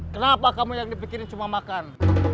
kenapa kamu yang dipikirin cuma makan